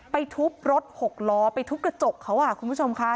ทุบรถหกล้อไปทุบกระจกเขาคุณผู้ชมค่ะ